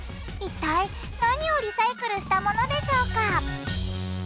いったい何をリサイクルしたものでしょうか？